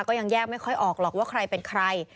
ก็ยังแยกไม่ค่อยออกหรอกว่าใครเป็นใคร